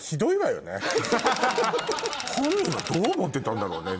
本人はどう思ってたんだろうね？